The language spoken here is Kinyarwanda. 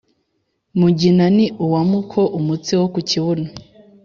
Mugina ni uwa Muko-Umutsi wo ku kibuno.